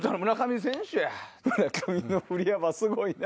村上の振り幅すごいな。